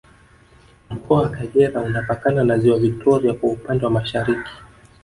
Mkoa wa Kagera unapakana na Ziwa Victoria kwa upande wa Mashariki